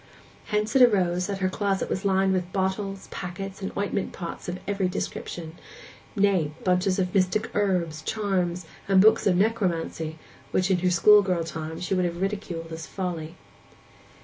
Hence it arose that her closet was lined with bottles, packets, and ointment pots of every description—nay, bunches of mystic herbs, charms, and books of necromancy, which in her schoolgirl time she would have ridiculed as folly.